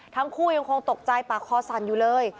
ทั้งคู่ยังคงตกใจปากคอสั่นอยู่เลย